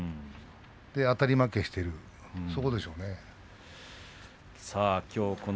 あたり負けしているそこでしょうね。